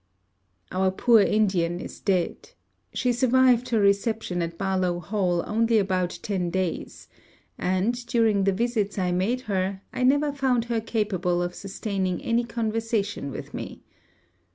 Our poor Indian is dead. She survived her reception at Barlowe Hall only about ten days; and, during the visits I made her, I never found her capable of sustaining any conversation with me.